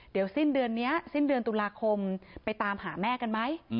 เดี๋ยวสิ้นเดือนนี้สิ้นเดือนตุลาคมไปตามหาแม่กันไหม